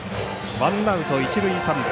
ワンアウト一塁三塁。